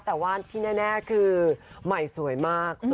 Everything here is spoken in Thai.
แต่ว่าที่แน่คือใหม่สวยมาก